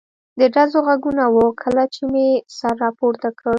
د ډزو غږونه و، کله چې مې سر را پورته کړ.